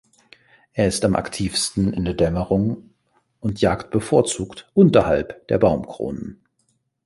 Er ist am aktivsten in der Dämmerung und jagt bevorzugt unterhalb der Baumkronen.